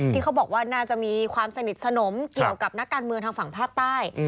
ที่เขาบอกว่าน่าจะมีความสนิทสนมเกี่ยวกับนักการเมืองทางฝั่งภาคใต้